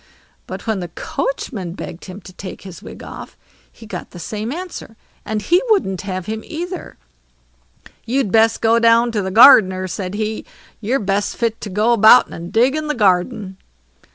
But when the coachman begged him to take his wig off, he got the same answer, and he wouldn't have him either. "You'd best go down to the gardener", said he; "you're best fit to go about and dig in the garden."